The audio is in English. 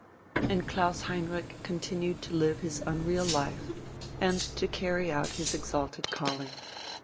And Klaus Heinrich continued to live his unreal life, and to carry out his exalted calling.